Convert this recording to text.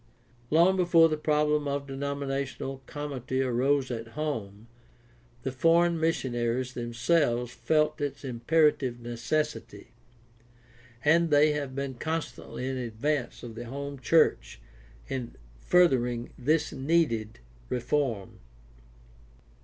Long before the problem of denominational comity arose at home the foreign missionaries themselves felt its impera tive necessity. And they have been constantly in advance of the home church in furthering this needed reform.